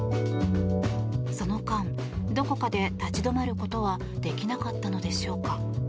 その間どこかで立ち止まることはできなかったのでしょうか。